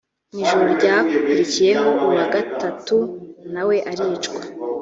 mu ijoro ryakurikiyeho uwa gatatu nawe aricwa